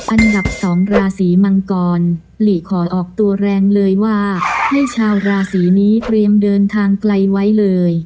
อันดับ๒ราศีมังกรหลีขอออกตัวแรงเลยว่าให้ชาวราศีนี้เตรียมเดินทางไกลไว้เลย